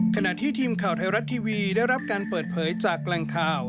ขณะที่ทีมข่าวไทยรัฐทีวีได้รับการเปิดเผยจากแหล่งข่าว